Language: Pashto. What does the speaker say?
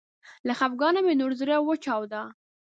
له خفګانه مې نور زړه وچاوده